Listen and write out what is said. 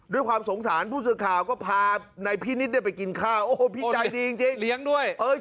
ด้วยความสงสารผู้สึกข่าวก็พานายพี่นิดเล่าไปกินข้าวโอ้โหพี่ใจดีจริงจริง